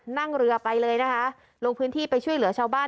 นั่งเรือไปเลยนะคะลงพื้นที่ไปช่วยเหลือชาวบ้าน